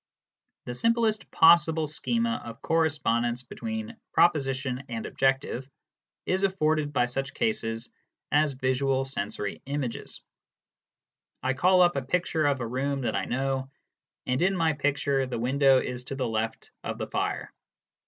The simplest possible schema of correspondence between proposition and objective is afforded by such cases as visual 38 BERTRAND RUSSELL. memory images. I call up a picture of a room that I know,, and in my picture the window is to the left of the fire.